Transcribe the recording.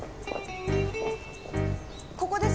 ここです。